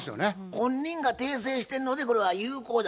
本人が訂正してるのでこれは有効だ。